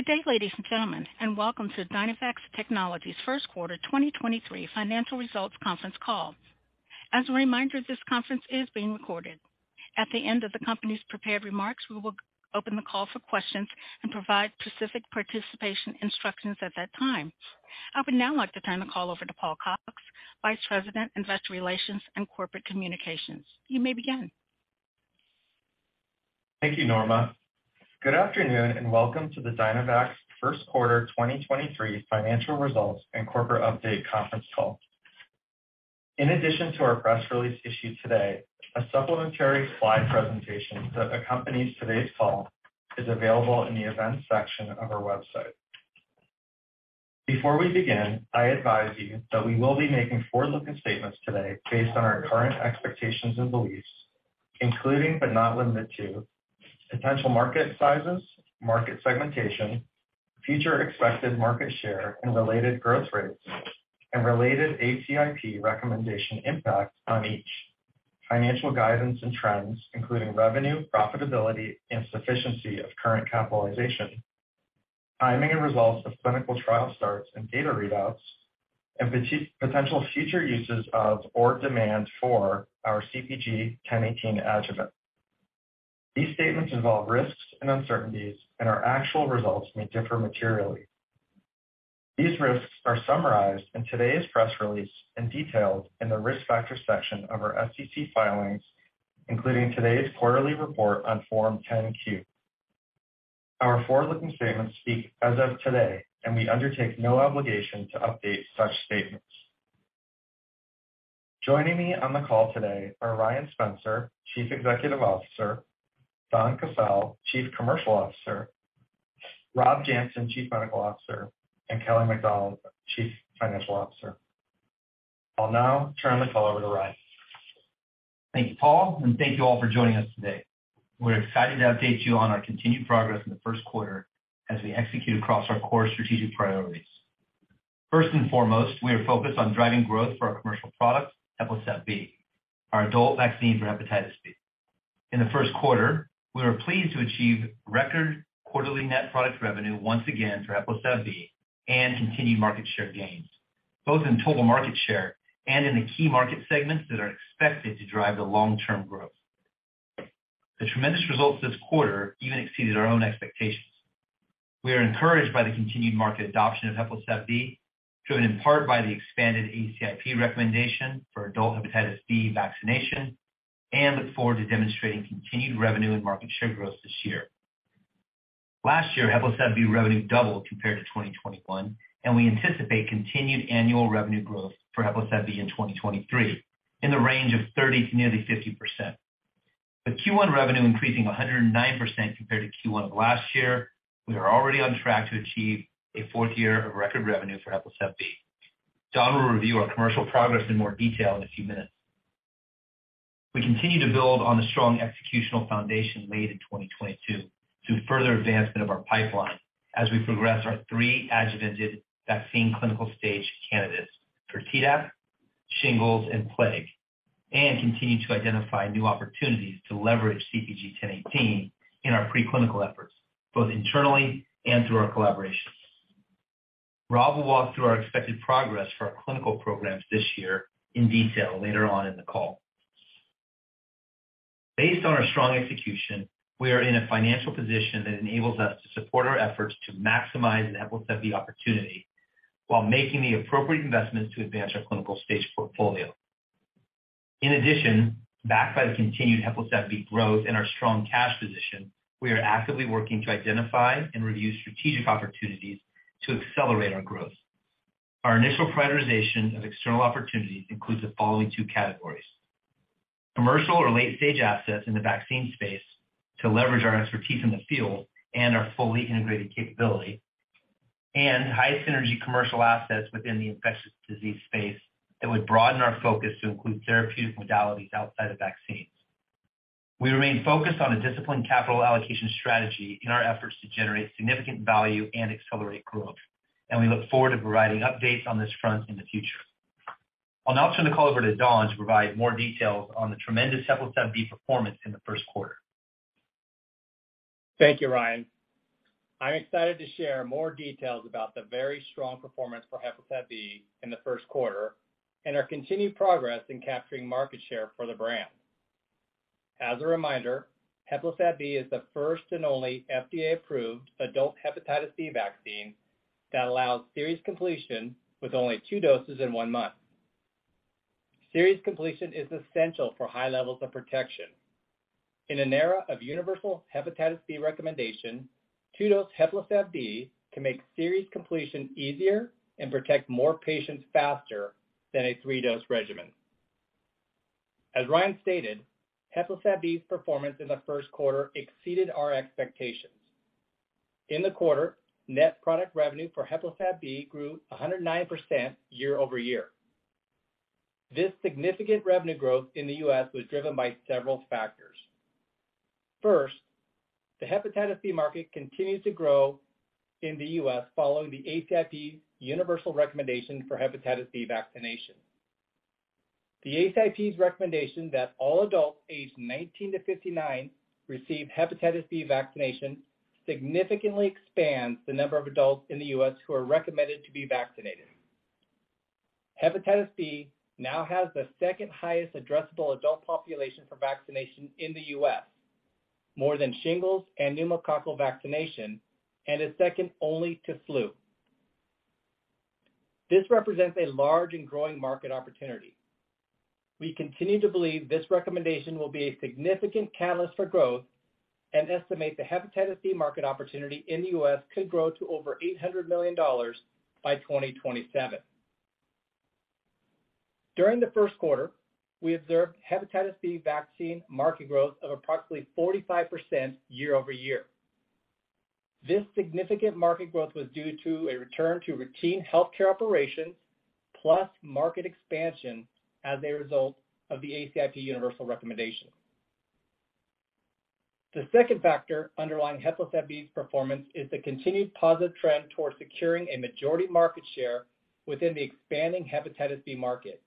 Good day, ladies and gentlemen, and welcome to Dynavax Technologies' Q1 2023 financial results conference call. As a reminder, this conference is being recorded. At the end of the company's prepared remarks, we will open the call for questions and provide specific participation instructions at that time. I would now like to turn the call over to Paul Cox, Vice President, Investor Relations and Corporate Communications. You may begin. Thank you, Norma. Good afternoon, welcome to the Dynavax Q1 2023 financial results and corporate update conference call. In addition to our press release issued today, a supplementary slide presentation that accompanies today's call is available in the events section of our website. Before we begin, I advise you that we will be making forward-looking statements today based on our current expectations and beliefs, including, but not limited to, potential market sizes, market segmentation, future expected market share and related growth rates and related ACIP recommendation impact on each financial guidance and trends, including revenue, profitability, and sufficiency of current capitalization, timing and results of clinical trial starts and data readouts, and potential future uses of, or demand for our CpG 1018 adjuvant. These statements involve risks and uncertainties, our actual results may differ materially. These risks are summarized in today's press release and detailed in the Risk Factors section of our SEC filings, including today's quarterly report on Form 10-Q. Our forward-looking statements speak as of today, and we undertake no obligation to update such statements. Joining me on the call today are Ryan Spencer, Chief Executive Officer, Donn Casale, Chief Commercial Officer, Rob Janssen, Chief Medical Officer, and Kelly MacDonald, Chief Financial Officer. I'll now turn the call over to Ryan. Thank you, Paul, and thank you all for joining us today. We're excited to update you on our continued progress in the Q1 as we execute across our core strategic priorities. First and foremost, we are focused on driving growth for our commercial products, HEPLISAV-B, our adult vaccine for hepatitis B. In the Q1, we were pleased to achieve record quarterly net product revenue once again for HEPLISAV-B and continued market share gains, both in total market share and in the key market segments that are expected to drive the long-term growth. The tremendous results this quarter even exceeded our own expectations. We are encouraged by the continued market adoption of HEPLISAV-B, driven in part by the expanded ACIP recommendation for adult hepatitis B vaccination and look forward to demonstrating continued revenue and market share growth this year. Last year, HEPLISAV-B revenue doubled compared to 2021. We anticipate continued annual revenue growth for HEPLISAV-B in 2023 in the range of 30% to nearly 50%. With Q1 revenue increasing 109% compared to Q1 of last year, we are already on track to achieve a fourth year of record revenue for HEPLISAV-B. Don will review our commercial progress in more detail in a few minutes. We continue to build on the strong executional foundation laid in 2022 through further advancement of our pipeline as we progress our three adjuvanted vaccine clinical stage candidates for Tdap, shingles and plague, and continue to identify new opportunities to leverage CpG 1018 in our preclinical efforts, both internally and through our collaborations. Rob will walk through our expected progress for our clinical programs this year in detail later on in the call. Based on our strong execution, we are in a financial position that enables us to support our efforts to maximize the HEPLISAV-B opportunity while making the appropriate investments to advance our clinical-stage portfolio. In addition, backed by the continued HEPLISAV-B growth and our strong cash position, we are actively working to identify and review strategic opportunities to accelerate our growth. Our initial prioritization of external opportunities includes the following two categories: commercial or late-stage assets in the vaccine space to leverage our expertise in the field and our fully integrated capability and high synergy commercial assets within the infectious disease space that would broaden our focus to include therapeutic modalities outside of vaccines. We remain focused on a disciplined capital allocation strategy in our efforts to generate significant value and accelerate growth, and we look forward to providing updates on this front in the future. I'll now turn the call over to Don to provide more details on the tremendous HEPLISAV-B performance in the Q1. Thank you, Ryan. I'm excited to share more details about the very strong performance for HEPLISAV-B in the Q1 and our continued progress in capturing market share for the brand. As a reminder, HEPLISAV-B is the first and only FDA-approved adult hepatitis B vaccine that allows series completion with only two doses in one month. Series completion is essential for high levels of protection. In an era of universal hepatitis B recommendation, two-dose HEPLISAV-B can make series completion easier and protect more patients faster than a three-dose regimen. As Ryan stated, HEPLISAV-B's performance in the Q1 exceeded our expectations. In the quarter, net product revenue for HEPLISAV-B grew 109% year-over-year. This significant revenue growth in the U.S. was driven by several factors. First, the hepatitis B market continues to grow in the U.S. following the ACIP universal recommendation for hepatitis B vaccination. The ACIP's recommendation that all adults aged 19 to 59 receive hepatitis B vaccination significantly expands the number of adults in the U.S. who are recommended to be vaccinated. Hepatitis B now has the second highest addressable adult population for vaccination in the U.S., more than shingles and pneumococcal vaccination, and is second only to flu. This represents a large and growing market opportunity. We continue to believe this recommendation will be a significant catalyst for growth and estimate the hepatitis B market opportunity in the U.S. could grow to over $800 million by 2027. During the Q1, we observed hepatitis B vaccine market growth of approximately 45% year-over-year. This significant market growth was due to a return to routine healthcare operations plus market expansion as a result of the ACIP universal recommendation. The second factor underlying HEPLISAV-B's performance is the continued positive trend towards securing a majority market share within the expanding hepatitis B market.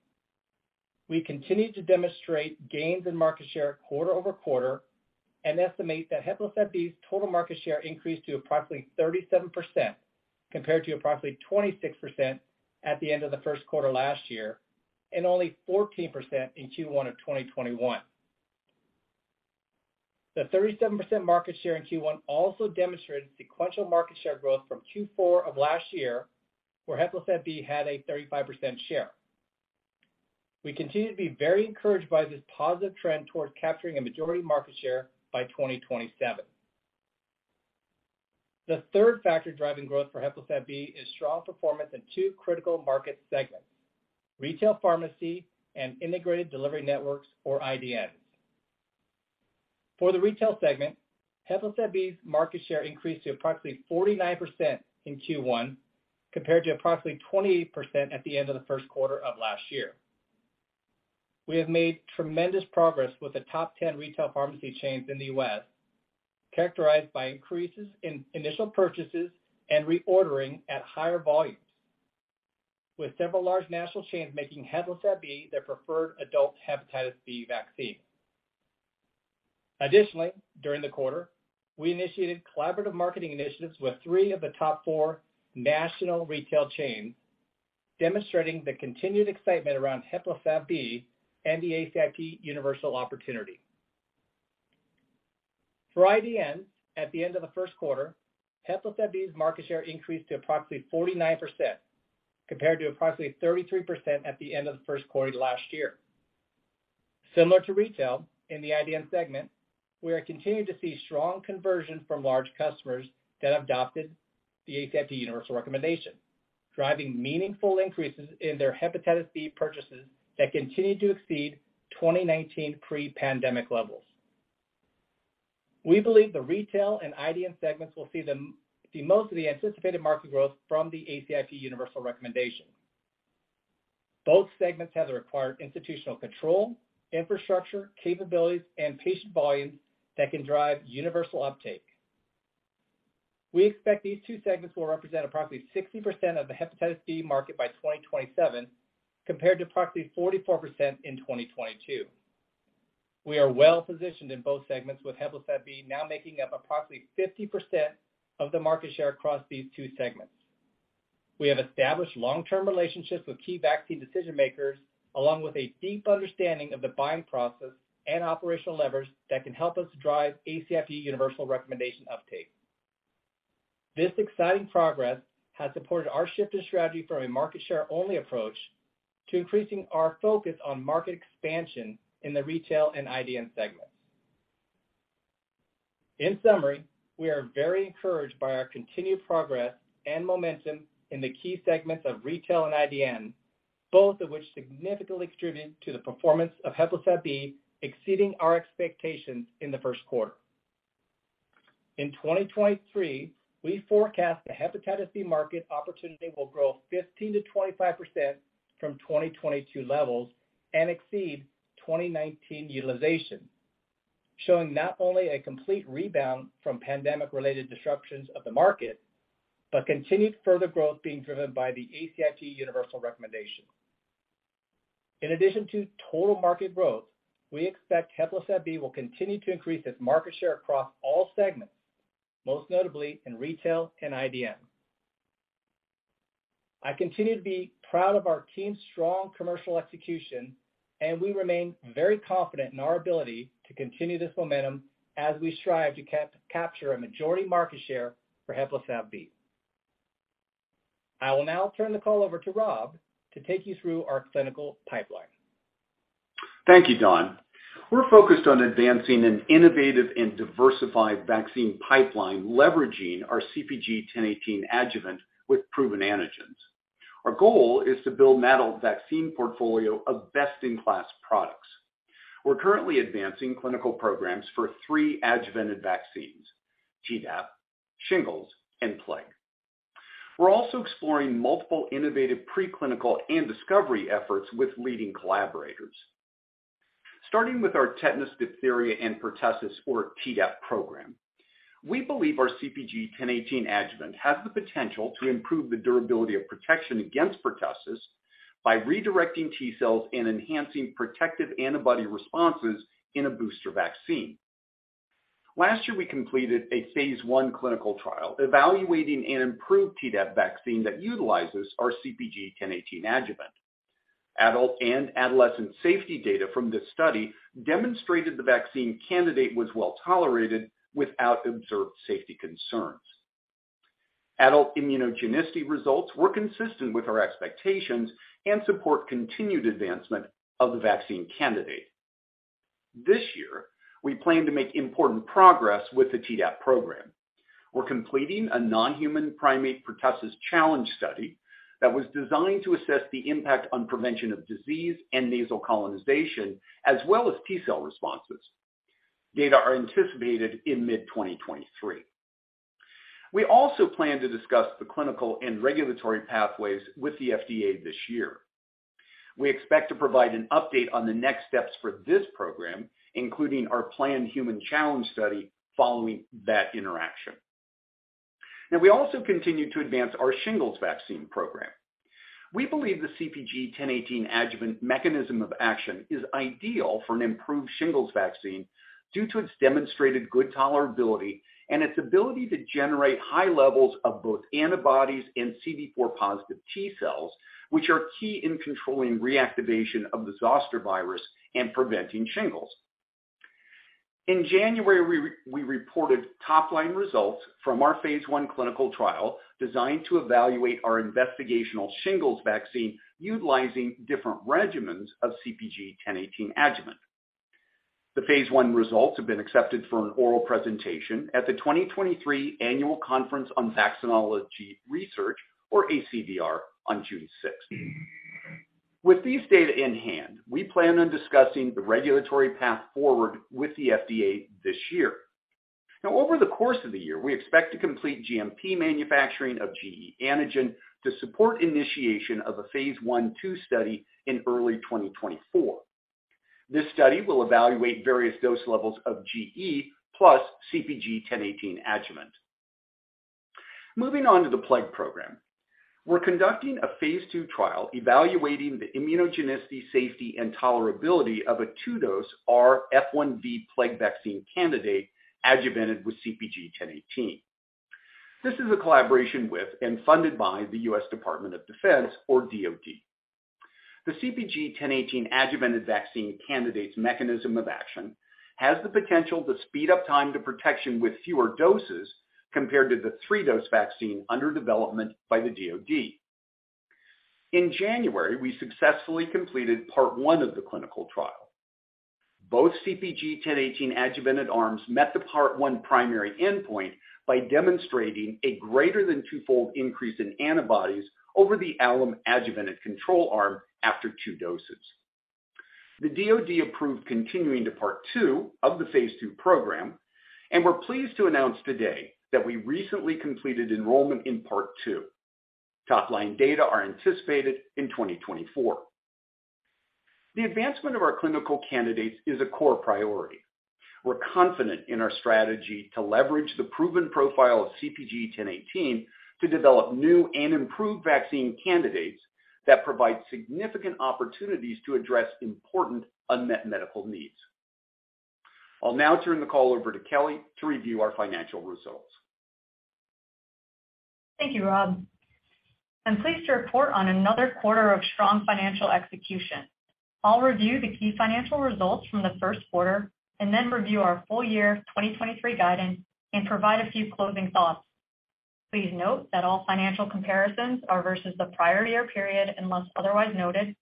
We continue to demonstrate gains in market share quarter-over-quarter and estimate that HEPLISAV-B's total market share increased to approximately 37% compared to approximately 26% at the end of the Q1 last year and only 14% in Q1 of 2021. The 37% market share in Q1 also demonstrated sequential market share growth from Q4 of last year where HEPLISAV-B had a 35% share. We continue to be very encouraged by this positive trend towards capturing a majority market share by 2027. The third factor driving growth for HEPLISAV-B is strong performance in two critical market segments, retail pharmacy and integrated delivery networks or IDNs. For the retail segment, HEPLISAV-B's market share increased to approximately 49% in Q1 compared to approximately 28% at the end of the Q1 of last year. We have made tremendous progress with the top 10 retail pharmacy chains in the U.S., characterized by increases in initial purchases and reordering at higher volumes, with several large national chains making HEPLISAV-B their preferred adult hepatitis B vaccine. Additionally, during the quarter, we initiated collaborative marketing initiatives with three of the top four national retail chains, demonstrating the continued excitement around HEPLISAV-B and the ACIP universal opportunity. For IDNs at the end of the Q1, HEPLISAV-B's market share increased to approximately 49% compared to approximately 33% at the end of the Q1 last year. Similar to retail, in the IDN segment, we are continuing to see strong conversion from large customers that adopted the ACIP universal recommendation, driving meaningful increases in their hepatitis B purchases that continue to exceed 2019 pre-pandemic levels. We believe the retail and IDN segments will see most of the anticipated market growth from the ACIP universal recommendation. Both segments have the required institutional control, infrastructure, capabilities, and patient volumes that can drive universal uptake. We expect these two segments will represent approximately 60% of the hepatitis B market by 2027, compared to approximately 44% in 2022. We are well-positioned in both segments, with HEPLISAV-B now making up approximately 50% of the market share across these two segments. We have established long-term relationships with key vaccine decision-makers, along with a deep understanding of the buying process and operational levers that can help us drive ACIP universal recommendation uptake. This exciting progress has supported our shift in strategy from a market share only approach to increasing our focus on market expansion in the retail and IDN segments. In summary, we are very encouraged by our continued progress and momentum in the key segments of retail and IDN, both of which significantly contribute to the performance of HEPLISAV-B, exceeding our expectations in the Q1. In 2023, we forecast the hepatitis B market opportunity will grow 15%-25% from 2022 levels and exceed 2019 utilization, showing not only a complete rebound from pandemic-related disruptions of the market, but continued further growth being driven by the ACIP universal recommendation. In addition to total market growth, we expect HEPLISAV-B will continue to increase its market share across all segments, most notably in retail and IDN. I continue to be proud of our team's strong commercial execution, and we remain very confident in our ability to continue this momentum as we strive to capture a majority market share for HEPLISAV-B. I will now turn the call over to Rob to take you through our clinical pipeline. Thank you, Donn. We're focused on advancing an innovative and diversified vaccine pipeline, leveraging our CpG 1018 adjuvant with proven antigens. Our goal is to build Dynavax's vaccine portfolio of best-in-class products. We're currently advancing clinical programs for three adjuvanted vaccines, Tdap, shingles, and plague. We're also exploring multiple innovative preclinical and discovery efforts with leading collaborators. Starting with our tetanus, diphtheria and pertussis or Tdap program. We believe our CpG 1018 adjuvant has the potential to improve the durability of protection against pertussis by redirecting T-cells and enhancing protective antibody responses in a booster vaccine. Last year, we completed a phase one clinical trial evaluating an improved Tdap vaccine that utilizes our CpG 1018 adjuvant. Adult and adolescent safety data from this study demonstrated the vaccine candidate was well tolerated without observed safety concerns. Adult immunogenicity results were consistent with our expectations and support continued advancement of the vaccine candidate. This year, we plan to make important progress with the Tdap program. We're completing a non-human primate pertussis challenge study that was designed to assess the impact on prevention of disease and nasal colonization, as well as T-cell responses. Data are anticipated in mid-2023. We also plan to discuss the clinical and regulatory pathways with the FDA this year. We expect to provide an update on the next steps for this program, including our planned human challenge study following that interaction. We also continue to advance our shingles vaccine program. We believe the CpG 1018 adjuvant mechanism of action is ideal for an improved shingles vaccine due to its demonstrated good tolerability and its ability to generate high levels of both antibodies and CD4-positive T cells, which are key in controlling reactivation of the varicella-zoster virus and preventing shingles. In January, we reported top-line results from our phase 1 clinical trial designed to evaluate our investigational shingles vaccine utilizing different regimens of CpG 1018 adjuvant. The phase one results have been accepted for an oral presentation at the 2023 Annual Conference on Vaccinology Research, or ACVR, on June 6th. With these data in hand, we plan on discussing the regulatory path forward with the FDA this year. Over the course of the year, we expect to complete GMP manufacturing of gE antigen to support initiation of a phase 1/2 study in early 2024. This study will evaluate various dose levels of gE plus CpG 1018 adjuvant. Moving on to the plague program. We're conducting a phase two trial evaluating the immunogenicity, safety, and tolerability of a 2-dose rF1V plague vaccine candidate adjuvanted with CpG 1018. This is a collaboration with and funded by the US Department of Defense, or DoD. The CpG 1018 adjuvanted vaccine candidate's mechanism of action has the potential to speed up time to protection with fewer doses compared to the three-dose vaccine under development by the DoD. In January, we successfully completed part one of the clinical trial. Both CpG 1018 adjuvanted arms met the part one primary endpoint by demonstrating a greater than twofold increase in antibodies over the alum adjuvanted control arm after two doses. The DoD approved continuing to part two of the phase two program, and we're pleased to announce today that we recently completed enrollment in part two. Top-line data are anticipated in 2024. The advancement of our clinical candidates is a core priority. We're confident in our strategy to leverage the proven profile of CpG 1018 to develop new and improved vaccine candidates that provide significant opportunities to address important unmet medical needs. I'll now turn the call over to Kelly to review our financial results. Thank you, Rob. I'm pleased to report on another quarter of strong financial execution. I'll review the key financial results from the Q1 and then review our full year 2023 guidance and provide a few closing thoughts. Please note that all financial comparisons are versus the prior year period, unless otherwise noted.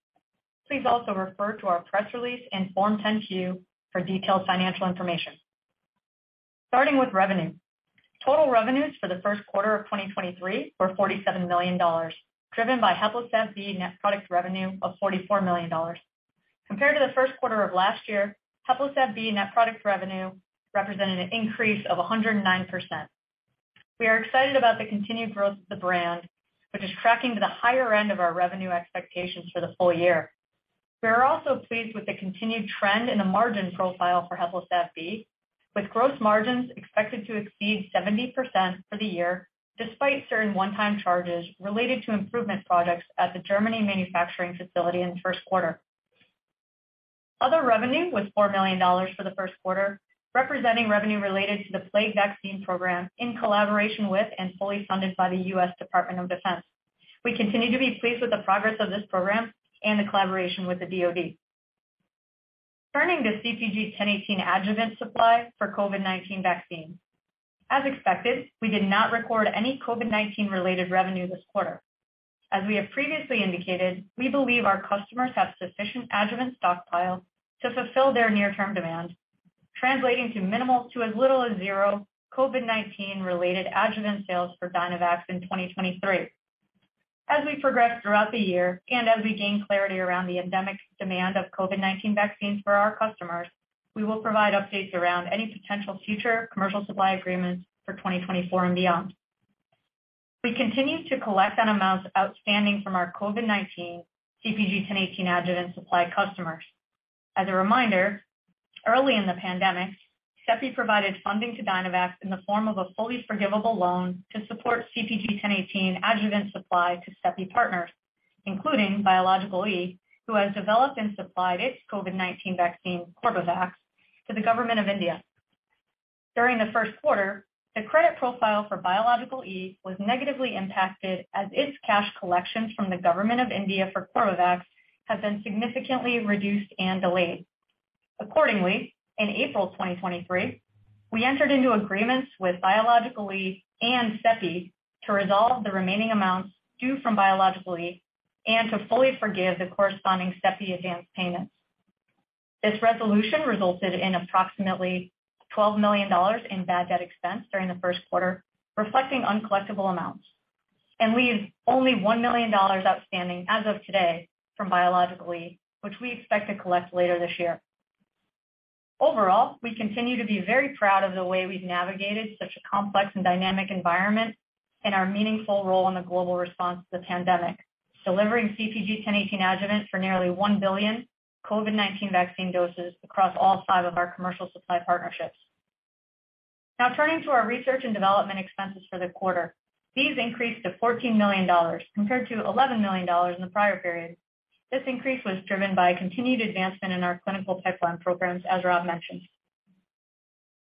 Please also refer to our press release and Form 10-Q for detailed financial information. Starting with revenue. Total revenues for the Q1 of 2023 were $47 million, driven by HEPLISAV-B net product revenue of $44 million. Compared to the Q1 of last year, HEPLISAV-B net product revenue represented an increase of 109%. We are excited about the continued growth of the brand, which is tracking to the higher end of our revenue expectations for the full year. We are also pleased with the continued trend in the margin profile for HEPLISAV-B, with gross margins expected to exceed 70% for the year, despite certain one-time charges related to improvement projects at the Germany manufacturing facility in the Q1. Other revenue was $4 million for the Q1, representing revenue related to the plague vaccine program in collaboration with and fully funded by the US Department of Defense. We continue to be pleased with the progress of this program and the collaboration with the DoD. Turning to CpG 1018 adjuvant supply for COVID-19 vaccines. As expected, we did not record any COVID-19 related revenue this quarter. As we have previously indicated, we believe our customers have sufficient adjuvant stockpile to fulfill their near-term demand, translating to minimal to as little as zero COVID-19 related adjuvant sales for Dynavax in 2023. As we progress throughout the year and as we gain clarity around the endemic demand of COVID-19 vaccines for our customers, we will provide updates around any potential future commercial supply agreements for 2024 and beyond. We continue to collect on amounts outstanding from our COVID-19 CpG 1018 adjuvant supply customers. As a reminder, early in the pandemic, CEPI provided funding to Dynavax in the form of a fully forgivable loan to support CpG 1018 adjuvant supply to CEPI partners, including Biological E, who has developed and supplied its COVID-19 vaccine, Corbevax, to the government of India. During the Q1, the credit profile for Biological E was negatively impacted as its cash collections from the government of India for Corbevax have been significantly reduced and delayed. Accordingly, in April 2023, we entered into agreements with Biological E and CEPI to resolve the remaining amounts due from Biological E and to fully forgive the corresponding CEPI advanced payments. This resolution resulted in approximately $12 million in bad debt expense during the Q1, reflecting uncollectible amounts. We have only $1 million outstanding as of today from Biological E, which we expect to collect later this year. Overall, we continue to be very proud of the way we've navigated such a complex and dynamic environment and our meaningful role in the global response to the pandemic, delivering CpG 1018 adjuvant for nearly one billion COVID-19 vaccine doses across all five of our commercial supply partnerships. Now turning to our research and development expenses for the quarter. These increased to $14 million compared to $11 million in the prior period. This increase was driven by continued advancement in our clinical pipeline programs, as Rob mentioned.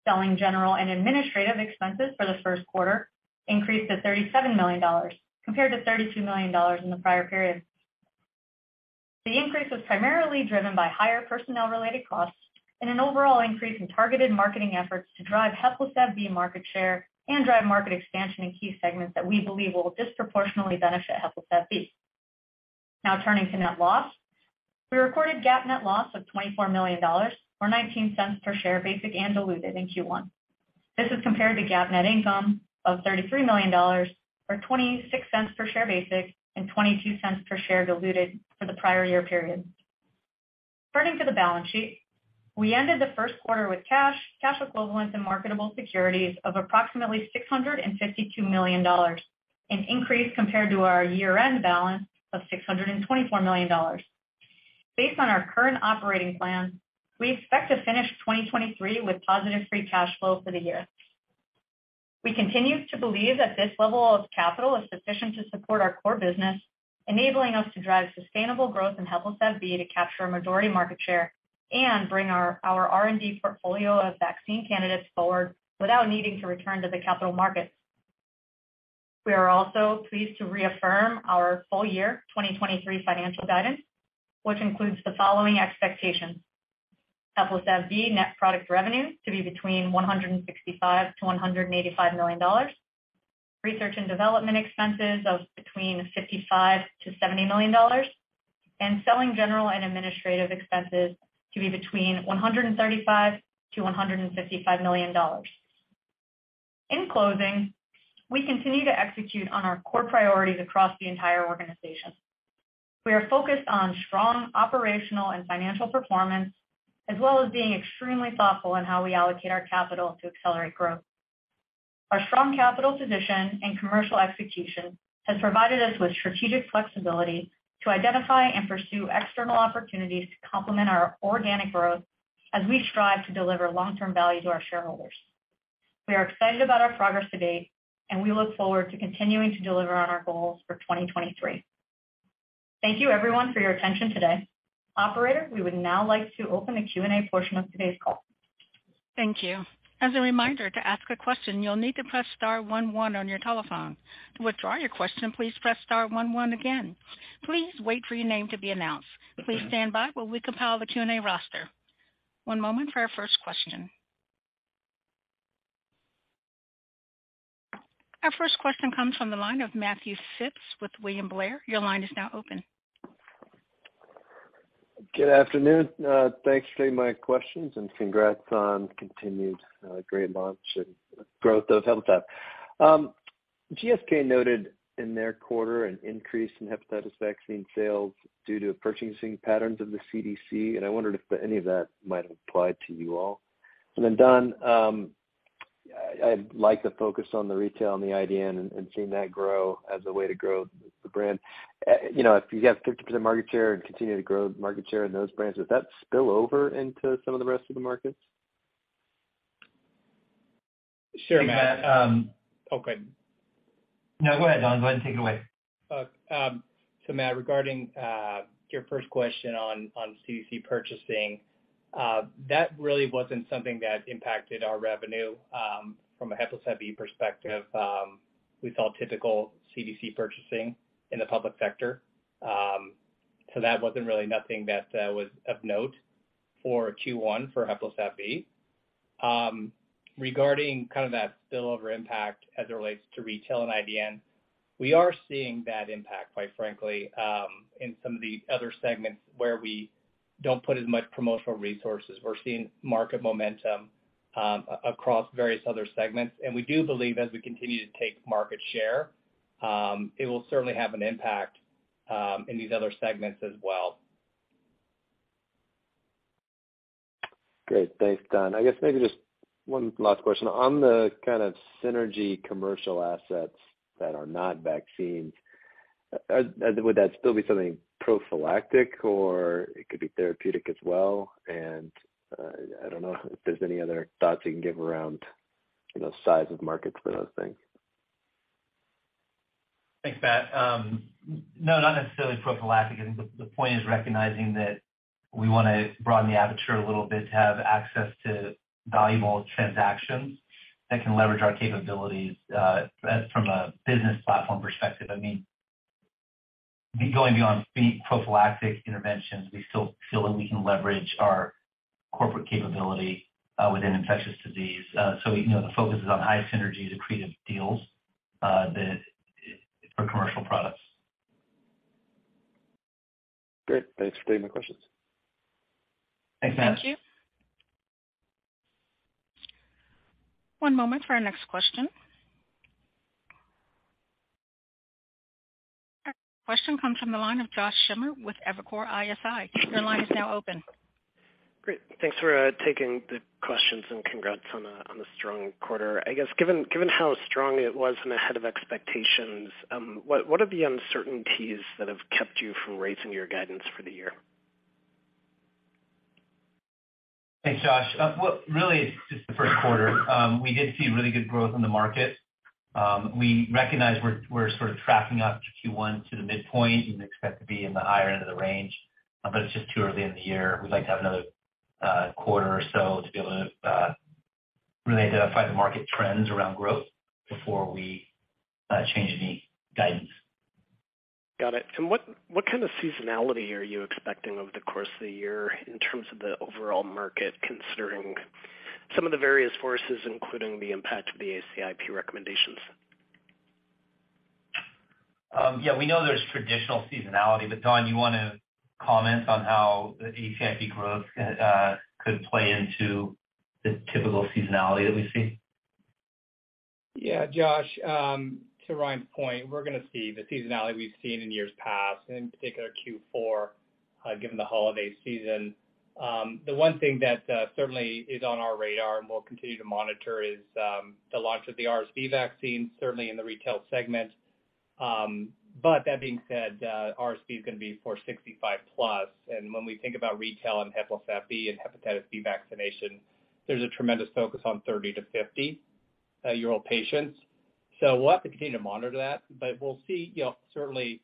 Selling, general and administrative expenses for the Q1 increased to $37 million, compared to $32 million in the prior period. The increase was primarily driven by higher personnel-related costs and an overall increase in targeted marketing efforts to drive HEPLISAV-B market share and drive market expansion in key segments that we believe will disproportionately benefit HEPLISAV-B. Turning to net loss. We recorded GAAP net loss of $24 million or $0.19 per share, basic and diluted in Q1. This is compared to GAAP net income of $33 million or $0.26 per share basic and $0.22 per share diluted for the prior year period. Turning to the balance sheet. We ended the Q1 with cash equivalents, and marketable securities of approximately $652 million, an increase compared to our year-end balance of $624 million. Based on our current operating plan, we expect to finish 2023 with positive free cash flow for the year. We continue to believe that this level of capital is sufficient to support our core business, enabling us to drive sustainable growth in HEPLISAV-B to capture a majority market share and bring our R&D portfolio of vaccine candidates forward without needing to return to the capital market. We are also pleased to reaffirm our full year 2023 financial guidance, which includes the following expectations: HEPLISAV-B net product revenue to be between $165 -$185 million, research and development expenses of between $55-$70 million, and selling, general and administrative expenses to be between $135-$155 million. In closing, we continue to execute on our core priorities across the entire organization. We are focused on strong operational and financial performance, as well as being extremely thoughtful in how we allocate our capital to accelerate growth. Our strong capital position and commercial execution have provided us with strategic flexibility to identify and pursue external opportunities to complement our organic growth as we strive to deliver long-term value to our shareholders. We are excited about our progress to date. We look forward to continuing to deliver on our goals for 2023. Thank you everyone for your attention today. Operator, we would now like to open the Q&A portion of today's call. Thank you. As a reminder, to ask a question, you'll need to press star one, one on your telephone. To withdraw your question, please press star one, one again. Please wait for your name to be announced. Please stand by while we compile the Q&A roster. One moment for our first question. Our first question comes from the line of Matthew Phipps with William Blair. Your line is now open. Good afternoon. Thanks for taking my questions and congrats on continued great launch and growth of HEPLISAV. GSK noted in their quarter an increase in hepatitis vaccine sales due to purchasing patterns of the CDC. I wondered if any of that might apply to you all. Then Don, I'd like to focus on the retail and the IDN and seeing that grow as a way to grow the brand. You know, if you have 50% market share and continue to grow market share in those brands, does that spill over into some of the rest of the markets? Sure, Matt. Hey, Matt. Oh, go ahead. No, go ahead, Donn. Go ahead and take it away. So Matt, regarding your first question on CDC purchasing, that really wasn't something that impacted our revenue from a HEPLISAV-B perspective. We saw typical CDC purchasing in the public sector. So that wasn't really nothing that was of note for Q1 for HEPLISAV-B. Regarding kind of that spillover impact as it relates to retail and IDN, we are seeing that impact, quite frankly, in some of the other segments where we don't put as much promotional resources. We're seeing market momentum across various other segments. We do believe as we continue to take market share, it will certainly have an impact in these other segments as well. Great. Thanks, Don. I guess maybe just one last question. On the kind of synergy commercial assets that are not vaccines, would that still be something prophylactic or it could be therapeutic as well? I don't know if there's any other thoughts you can give around, you know, size of markets for those things. Thanks, Matt. No, not necessarily prophylactic. I think the point is recognizing that we wanna broaden the aperture a little bit to have access to valuable transactions that can leverage our capabilities, as from a business platform perspective. I mean, going beyond prophylactic interventions, we still feel that we can leverage our corporate capability, within infectious disease. You know, the focus is on high synergy to creative deals, that are for commercial products. Great. Thanks for taking my questions. Thanks, Matt. Thank you. One moment for our next question. Our next question comes from the line of Josh Schimmer with Evercore ISI. Your line is now open. Great. Thanks for taking the questions, and congrats on the strong quarter. I guess, given how strong it was and ahead of expectations, what are the uncertainties that have kept you from raising your guidance for the year? Thanks, Josh. What really is just the Q1. We did see really good growth in the market. We recognize we're sort of tracking up to Q1 to the midpoint and expect to be in the higher end of the range. It's just too early in the year. We'd like to have another quarter or so to be able to really identify the market trends around growth before we change any guidance. Got it. What kind of seasonality are you expecting over the course of the year in terms of the overall market, considering some of the various forces, including the impact of the ACIP recommendations? Yeah, we know there's traditional seasonality, but Don, do you wanna comment on how the ACIP growth could play into the typical seasonality that we see? Yeah, Josh. To Ryan's point, we're gonna see the seasonality we've seen in years past, in particular Q4, given the holiday season. The one thing that certainly is on our radar and we'll continue to monitor is the launch of the RSV vaccine, certainly in the retail segment. That being said, RSV is gonna be for 65 plus. When we think about retail and HEPLISAV-B and hepatitis B vaccination, there's a tremendous focus on 30 to 50 year old patients. We'll have to continue to monitor that, but we'll see, you know, certainly,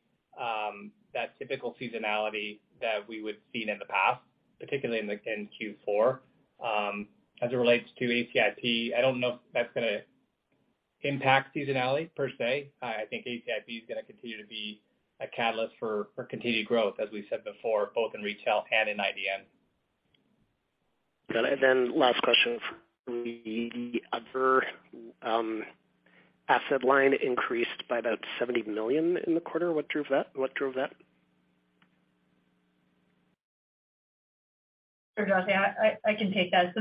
that typical seasonality that we would've seen in the past, particularly in Q4. As it relates to ACIP, I don't know if that's gonna impact seasonality per se. I think ACIP is gonna continue to be a catalyst for continued growth, as we said before, both in retail and in IDN. Got it. Last question for me. Other, asset line increased by about $70 million in the quarter. What drove that? Sure, Josh. I can take that.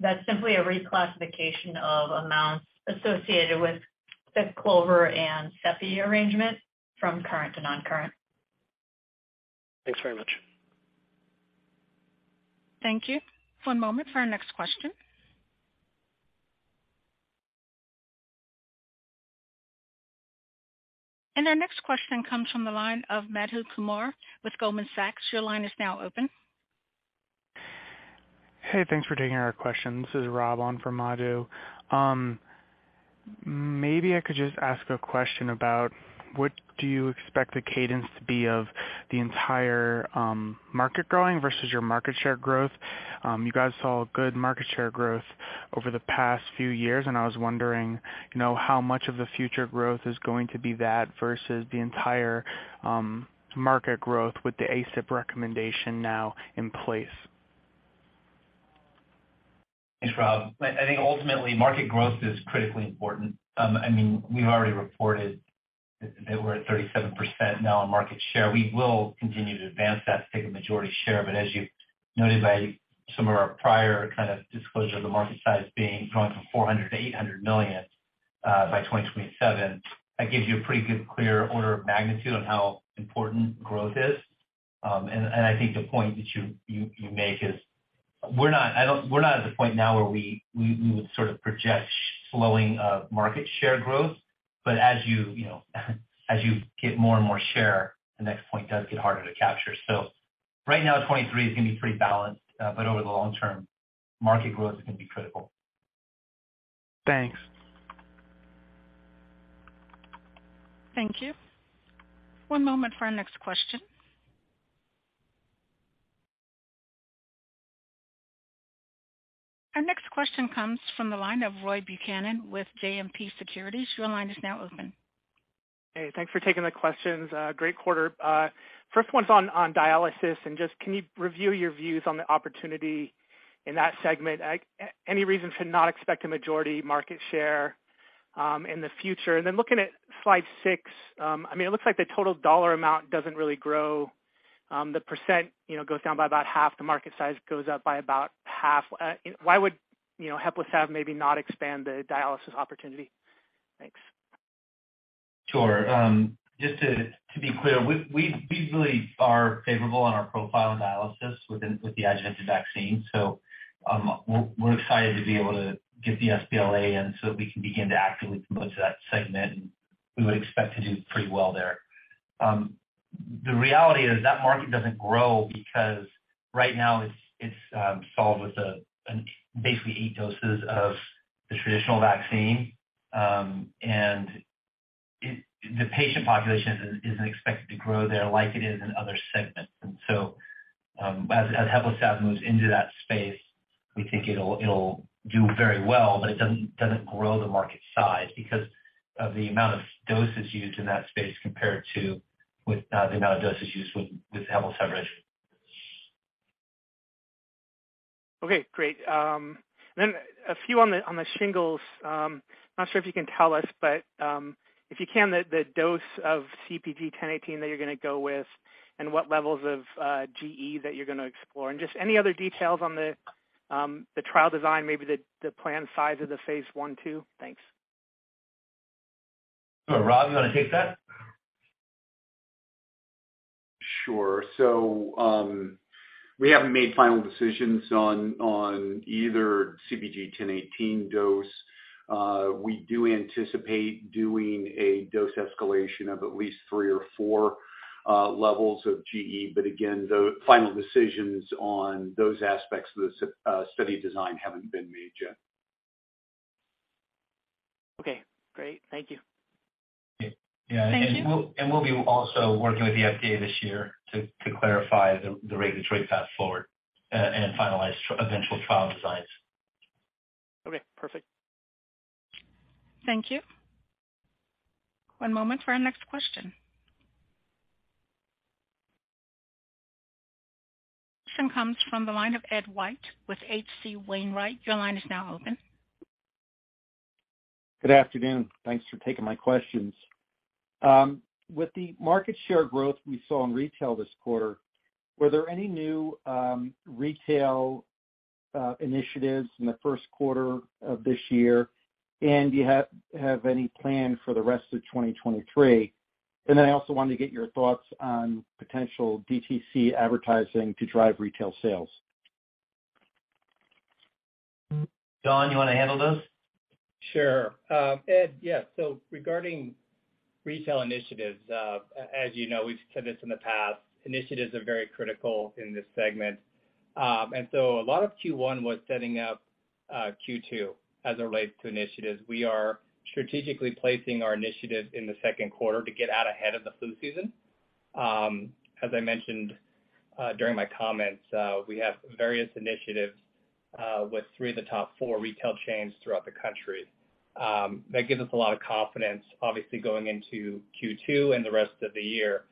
That's simply a reclassification of amounts associated with the Clover and CEPI arrangement from current to non-current. Thanks very much. Thank you. One moment for our next question. Our next question comes from the line of Madhu Kumar with Goldman Sachs. Your line is now open. Hey, thanks for taking our question. This is Rob on for Madhu. Maybe I could just ask a question about what do you expect the cadence to be of the entire market growing versus your market share growth? You guys saw good market share growth over the past few years. I was wondering, you know, how much of the future growth is going to be that versus the entire market growth with the ACIP recommendation now in place. Thanks, Rob. I think ultimately, market growth is critically important. I mean, we've already reported that we're at 37% now on market share. We will continue to advance that to take a majority share. As you noted by some of our prior kind of disclosure of the market size being growing from $400 -$800 million by 2027, that gives you a pretty good clear order of magnitude on how important growth is. And I think the point that you make is we're not at the point now where we would sort of project slowing of market share growth. As you know, as you get more and more share, the next point does get harder to capture. Right now, 2023 is gonna be pretty balanced, but over the long term, market growth is gonna be critical. Thanks. Thank you. One moment for our next question. Our next question comes from the line of Roy Buchanan with JMP Securities. Your line is now open. Hey, thanks for taking the questions. Great quarter. First one's on dialysis and just can you review your views on the opportunity in that segment? Any reason to not expect a majority market share in the future? Looking at slide six, I mean, it looks like the total dollar amount doesn't really grow. The %, you know, goes down by about half, the market size goes up by about half. Why would, you know, HEPLISAV maybe not expand the dialysis opportunity? Thanks. Sure. Just to be clear, we really are favorable on our profile in dialysis with the adjunctive vaccine. We're excited to be able to get the sBLA in so that we can begin to actively promote to that segment, and we would expect to do pretty well there. The reality is that market doesn't grow because right now it's basically eight doses of the traditional vaccine. The patient population isn't expected to grow there like it is in other segments. As HEPLISAV-B moves into that space, we think it'll do very well, but it doesn't grow the market size because of the amount of doses used in that space compared to the amount of doses used with HEPLISAV-B. Okay, great. A few on the, on the shingles. Not sure if you can tell us, but if you can, the dose of CpG 1018 that you're gonna go with and what levels of gE that you're gonna explore. Just any other details on the trial design, maybe the planned size of the phase 1 too. Thanks. Sure. Rob, you wanna take that? Sure. We haven't made final decisions on either CpG 1018 dose. We do anticipate doing a dose escalation of at least three or four levels of gE. The final decisions on those aspects of the study design haven't been made yet. Okay, great. Thank you. Yeah. Thank you. We'll be also working with the FDA this year to clarify the regulatory path forward, and finalize eventual trial designs. Okay, perfect. Thank you. One moment for our next question. This comes from the line of Edward White with H.C. Wainwright. Your line is now open. Good afternoon. Thanks for taking my questions. With the market share growth we saw in retail this quarter, were there any new retail initiatives in the Q1 of this year? Do you have any plan for the rest of 2023? I also wanted to get your thoughts on potential DTC advertising to drive retail sales. Don, you want to handle those? Sure. Ed, yeah. Regarding retail initiatives, as you know, we've said this in the past, initiatives are very critical in this segment. A lot of Q1 was setting up Q2 as it relates to initiatives. We are strategically placing our initiatives in the Q2 to get out ahead of the flu season. As I mentioned during my comments, we have various initiatives with three of the top four retail chains throughout the country. That gives us a lot of confidence, obviously, going into Q2 and the rest of the year.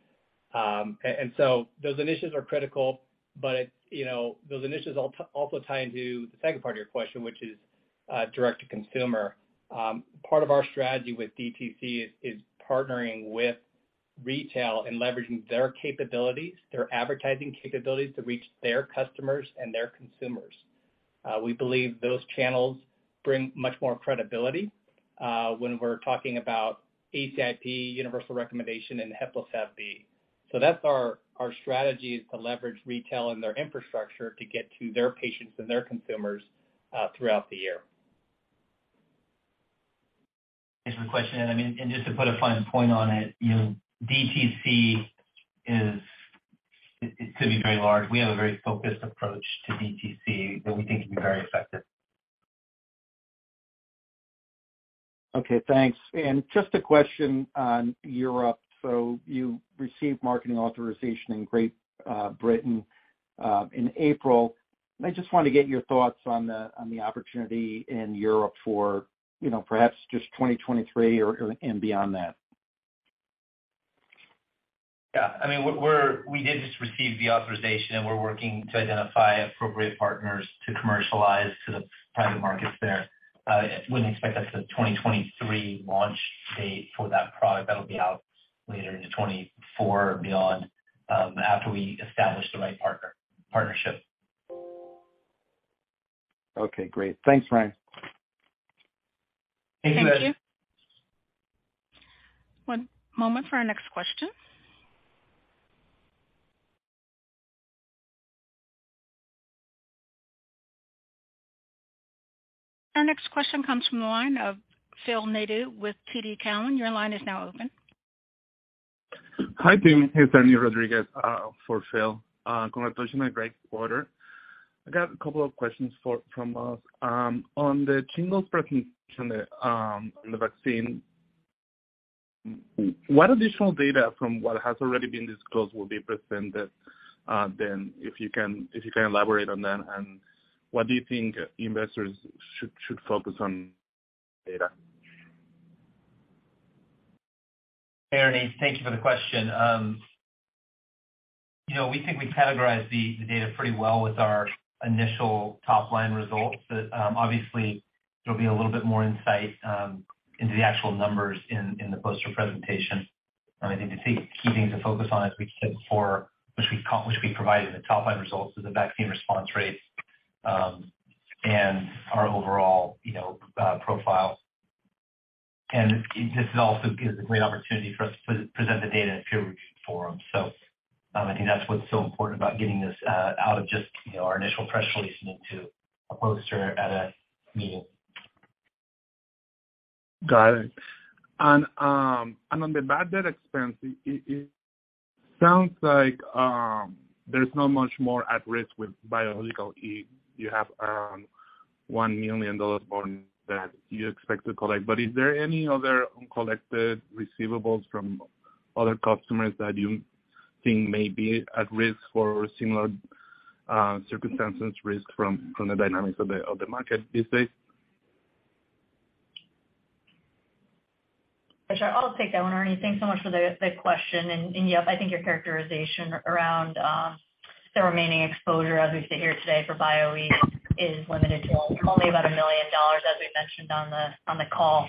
Those initiatives are critical, but, you know, those initiatives also tie into the second part of your question, which is direct to consumer. Part of our strategy with DTC is partnering with retail and leveraging their capabilities, their advertising capabilities to reach their customers and their consumers. We believe those channels bring much more credibility, when we're talking about ACIP universal recommendation and HEPLISAV-B. That's our strategy is to leverage retail and their infrastructure to get to their patients and their consumers, throughout the year. Thanks for the question, Ed. I mean, just to put a fine point on it, you know, DTC is, it could be very large. We have a very focused approach to DTC that we think can be very effective. Okay, thanks. Just a question on Europe. You received marketing authorization in Great Britain in April. I just want to get your thoughts on the opportunity in Europe for, you know, perhaps just 2023 or, and beyond that. Yeah, I mean, we did just receive the authorization. We're working to identify appropriate partners to commercialize to the private markets there. I wouldn't expect us to 2023 launch date for that product. That'll be out later into 2024 or beyond, after we establish the right partner, partnership. Okay, great. Thanks, Ryan. Thank you, Ed. Thank you. One moment for our next question. Our next question comes from the line of Phil Nadeau with TD Cowen. Your line is now open. Hi, team. It's Ernie Rodriguez for Phil. Congratulations on a great quarter. I got a couple of questions from us. On the shingles presentation, on the vaccine, what additional data from what has already been disclosed will be presented then, if you can elaborate on that? What do you think investors should focus on data? Ernie, thank you for the question. you know, we think we've categorized the data pretty well with our initial top-line results. Obviously, there'll be a little bit more insight into the actual numbers in the poster presentation. I think the key things to focus on, as we said before, which we provided in the top-line results was the vaccine response rates, and our overall, you know, profile. This is also a great opportunity for us to present the data in a peer review forum. I think that's what's so important about getting this out of just, you know, our initial press release and into a poster at a meeting. Got it. On the bad debt expense, it sounds like there's not much more at risk with Biological E. You have $1 million more that you expect to collect. Are there any other uncollected receivables from other customers that you think may be at risk for similar circumstances risk from the dynamics of the market these days? Sure, I'll take that one, Ernie. Thanks so much for the question. Yep, I think your characterization around the remaining exposure as we sit here today for BioE is limited to only about $1 million, as we mentioned on the call.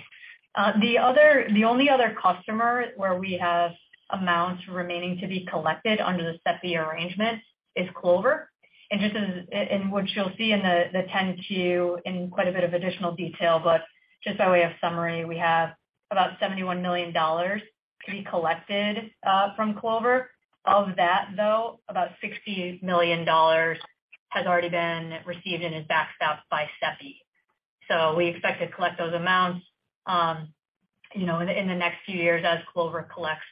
The only other customer where we have amounts remaining to be collected under the CEPI arrangement is Clover. What you'll see in the 10-Q in quite a bit of additional detail, but just by way of summary, we have about $71 million to be collected from Clover. Of that, though, about $60 million has already been received and is backstopped by CEPI. We expect to collect those amounts, you know, in the next few years as Clover collects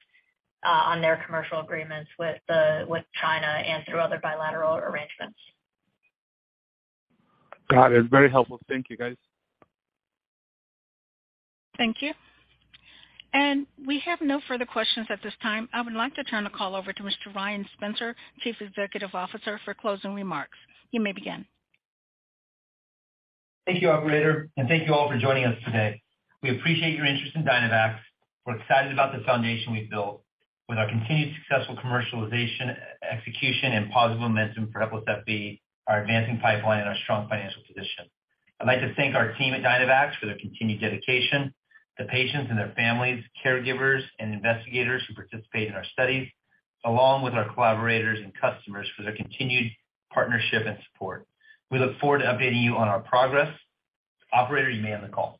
on their commercial agreements with China and through other bilateral arrangements. Got it. Very helpful. Thank you, guys. Thank you. We have no further questions at this time. I would like to turn the call over to Mr. Ryan Spencer, Chief Executive Officer, for closing remarks. You may begin. Thank you, operator, and thank you all for joining us today. We appreciate your interest in Dynavax. We're excited about the foundation we've built. With our continued successful commercialization, execution, and positive momentum for HEPLISAV-B, our advancing pipeline and our strong financial position. I'd like to thank our team at Dynavax for their continued dedication, the patients and their families, caregivers, and investigators who participate in our studies, along with our collaborators and customers for their continued partnership and support. We look forward to updating you on our progress. Operator, you may end the call.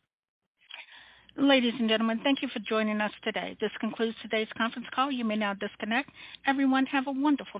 Ladies and gentlemen, thank you for joining us today. This concludes today's conference call. You may now disconnect. Everyone, have a wonderful day.